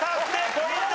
ポイントは？